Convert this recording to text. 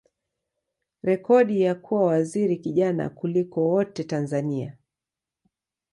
rekodi ya kuwa waziri kijana kuliko wote Tanzania.